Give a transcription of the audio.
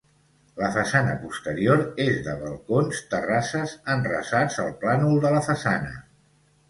La façana posterior és de balcons terrasses enrasats al plànol de la façana.